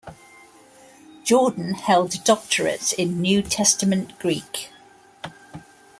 Jordan held a doctorate in New Testament Greek.